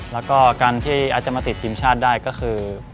แล้วก็การที่อาจจะมาติดทีมชาติได้ก็คือ